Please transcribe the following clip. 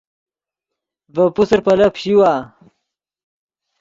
ڤے پوسر پیلف پیشیوا